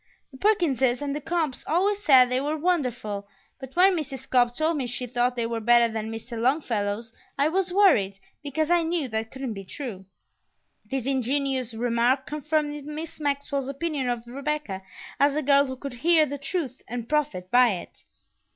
The Perkinses and the Cobbs always said they were wonderful, but when Mrs. Cobb told me she thought they were better than Mr. Longfellow's I was worried, because I knew that couldn't be true." This ingenuous remark confirmed Miss Maxwell's opinion of Rebecca as a girl who could hear the truth and profit by it.